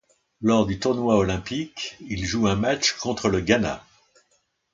Lors du tournoi olympique, il joue un match contre le Ghana.